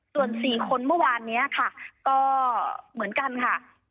ส่วน๔คนเมื่อวานนี้ค่ะก็เหมือนกันค่ะ